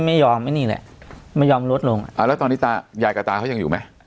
ไม่ยอมไอ้นี่แหละไม่ยอมลดลงอ่าแล้วตอนนี้ตายายกับตาเขายังอยู่ไหม